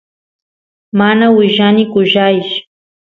mana willani kuyaysh